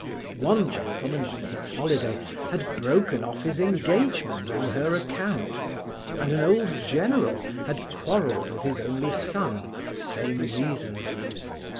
One gentleman on his holiday had broken off his engagement on her account, and an old general had quarrelled with his only son for the same reason.